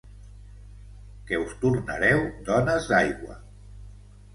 ...que us tornareu dones d'aigua.